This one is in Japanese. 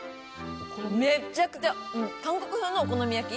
めちゃくちゃ韓国風のお好み焼き。